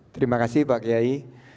terima kasih pak kiai